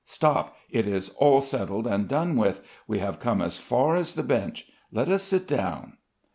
Stop! It is all settled and done with. We have come as far as the bench. Let us sit down...."